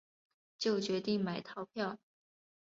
就决定买套票